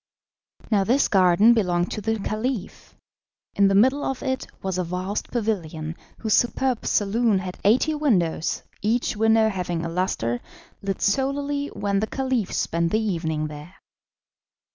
Now this garden belonged to the Caliph. In the middle of it was a vast pavilion, whose superb saloon had eighty windows, each window having a lustre, lit solely when the Caliph spent the evening there.